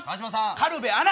軽部アナ。